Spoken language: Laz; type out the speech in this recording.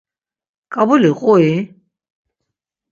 Ǩabuli qui?